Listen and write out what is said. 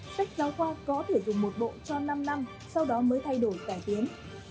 sách giáo khoa có thể dùng một bộ cho năm năm sau đó mới thay đổi cải tiến